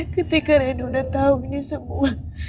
ketika rena udah tahunya semua